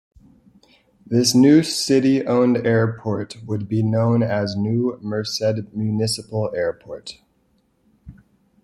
This new city owned airport would be known as "New Merced Municipal Airport".